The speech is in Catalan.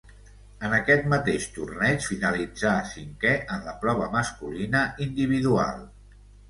En aquest mateix torneig finalitzà cinquè en la prova masculina individual.